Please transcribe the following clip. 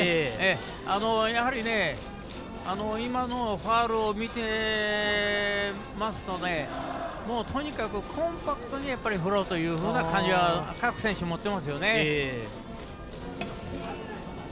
やはり今のファウルを見てますともうとにかくコンパクトに振ろうというような感じは各選手、持ってますよね。